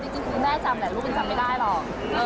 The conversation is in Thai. จริงคุณแม่จำแหละลูกยังจำไม่ได้หรอก